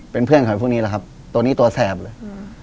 เป็นเพื่อนของพวกนี้แหละครับตัวนี้ตัวแสบเลย